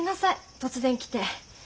突然来て。